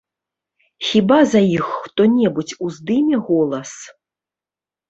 Хіба за іх хто-небудзь уздыме голас?